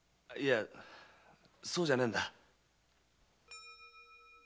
いやそうじゃねえんだ。